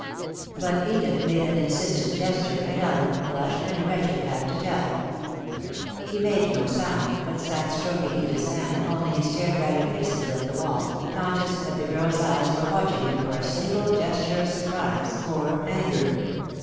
But Edith made an insistent gesture, and Ellen, flushed and wretched, had to tell. He made no sign, but sat stroking Edith's hand, only he stared rather fixedly at the wall, conscious that the girl's eyes were watching him for a single gesture of surprise or anger.